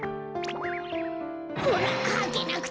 ほらはけなくても。